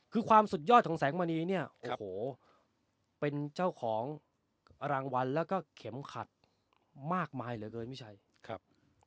คือความสุดยอดของแสงมณีเนี่ยโอ้โหเป็นเจ้าของรางวัลแล้วก็เข็มขัดมากมายเหลือเกินพี่ชัยครับ